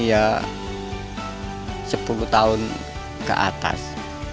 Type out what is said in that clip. seharusnya diperlukan sepuluh tahun ke atas